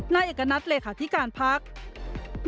นายเอกณัฐเลขาธิการพัก